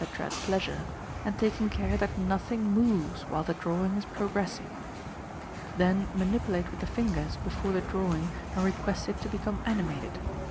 at pleasure, and taking care that nothing moves while the drawing is progressing. Then manipulate with the fingers before the drawing, and request it to become animated.